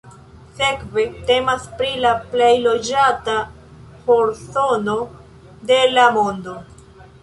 Sekve temas pri la plej loĝata horzono de la mondo.